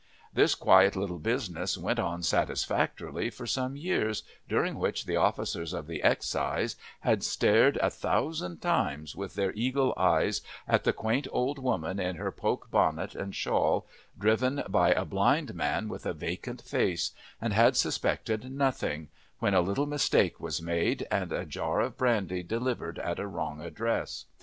This quiet little business went on satisfactorily for some years, during which the officers of the excise had stared a thousand times with their eagle's eyes at the quaint old woman in her poke bonnet and shawl, driven by a blind man with a vacant face, and had suspected nothing, when a little mistake was made and a jar of brandy delivered at a wrong address.